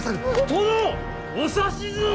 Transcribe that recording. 殿お指図を！